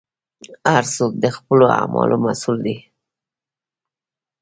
هر څوک د خپلو اعمالو مسوول دی.